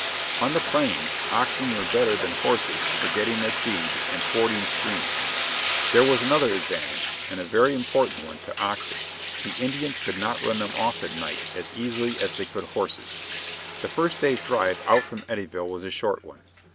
On the Plains, oxen were better than horses for getting their feed and fording streams. There was another advantage, and a very important one, to oxen: the Indians could not run them off at night as easily as they could horses. [Illustration: The tin reflector used for baking.] The first day's drive out from Eddyville was a short one.